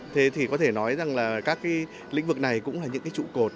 thế thì có thể nói rằng là các lĩnh vực này cũng là những trụ cột